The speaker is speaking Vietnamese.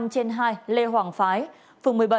năm trên hai lê hoàng phái phường một mươi bảy